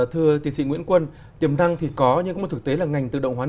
thưa thị sĩ nguyễn quân tiềm năng thì có nhưng có một thực tế là ngành tự động hóa nước